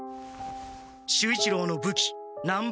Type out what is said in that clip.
守一郎の武器南蛮鉤。